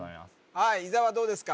はい伊沢どうですか？